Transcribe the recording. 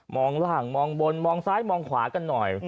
ล่างมองบนมองซ้ายมองขวากันหน่อย